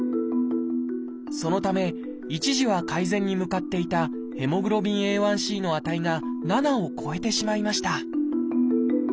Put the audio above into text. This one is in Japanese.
そのため一時は改善に向かっていたＨｂＡ１ｃの値が７を超えてしまいました。